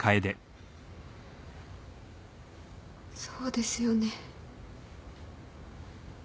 そうですよね。